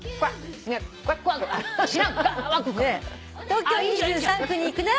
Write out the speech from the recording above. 「東京２３区に行くなら」